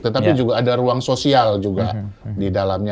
tetapi juga ada ruang sosial juga di dalamnya